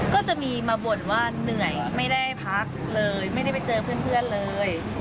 ก็จะมีมาบ่นว่าเหนื่อยไม่ได้พักเลยไม่ได้ไปเจอเพื่อนเลย